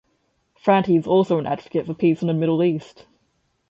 Franti is also an advocate for peace in the Middle East.